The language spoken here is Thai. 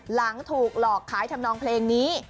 หลังถูกหลอกขายทำนองเพลงนี้